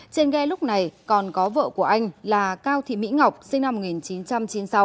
trên ghe lúc này còn có vợ của anh là cao thị mỹ ngọc sinh năm một nghìn chín trăm chín mươi sáu